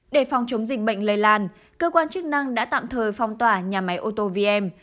để phòng chống dịch bệnh lây lan cơ quan chức năng đã tạm thời phong tỏa nhà máy ô tô vam